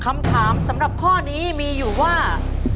คำถามสำหรับข้อนี้มีอยู่ว่า